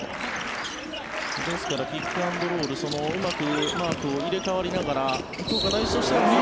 ですからピック・アンド・ロールうまくマークを入れ替わりながら福岡第一としては。